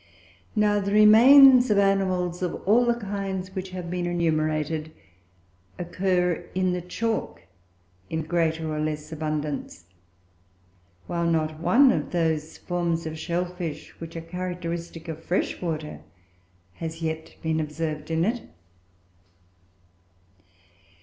Now the remains of animals of all the kinds which have been enumerated, occur in the chalk, in greater or less abundance; while not one of those forms of shell fish which are characteristic of fresh water has yet been observed in it.